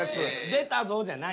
出たぞじゃない。